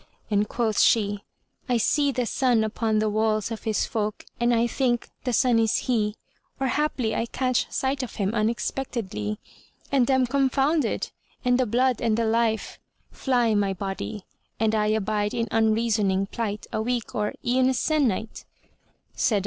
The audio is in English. and quoth she, "I see the sun upon the walls of his folk and I think the sun is he; or haply I catch sight of him unexpectedly and am confounded and the blood and the life fly my body and I abide in unreasoning plight a week or e'en a se'nnight."